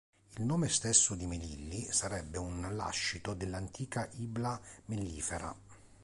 Il nome stesso di Melilli sarebbe un lascito dell'antica Ibla mellifera.